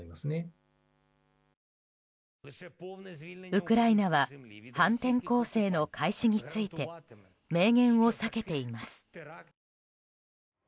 ウクライナは反転攻勢の開始について明言を避けています。